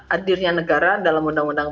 hadirnya negara dalam undang undang